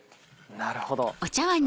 なるほど。